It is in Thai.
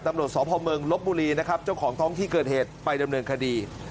ตำรวจสพเมืองลบบุรีนะครับเจ้าของท้องที่เกิดเหตุไปดำเนินคดี